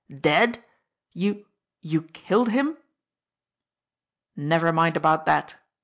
"Dead! You you killed him?" "Never mind about that !"